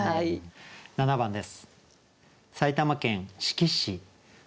７番です。